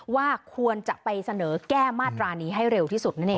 ว่าควรจะไปเสนอแก้มาตรานี้ให้เร็วที่สุดนั่นเอง